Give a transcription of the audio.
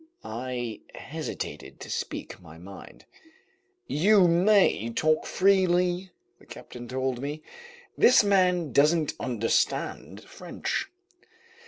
I hesitated to speak my mind. "You may talk freely," the captain told me. "This man doesn't understand French."